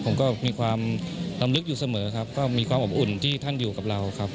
ผมก็มีความลำลึกอยู่เสมอครับก็มีความอบอุ่นที่ท่านอยู่กับเราครับ